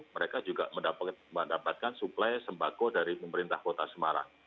mereka juga mendapatkan suplai sembako dari pemerintah kota semarang